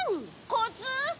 コツ？